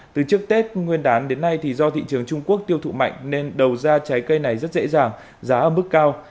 từ trước tết nguyên đán đến nay thì do thị trường trung quốc tiêu thụ mạnh nên đầu ra trái cây này rất dễ dàng giá ở mức cao